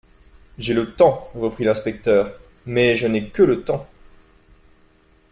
J'ai le temps, reprit l'inspecteur, mais je n'ai que le temps.